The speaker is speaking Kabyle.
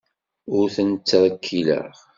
Ur ten-ttrekkileɣ.